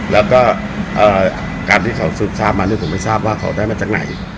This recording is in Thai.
แล้วก็การที่เขาสืบทราบมาเนี่ยผมไม่ทราบว่าเขาได้มาจากไหน